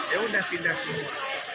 ya sudah pindah semua